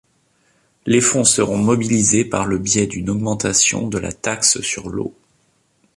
Les fonds seront mobilisés par le biais d'une augmentation de la taxe sur l'eau.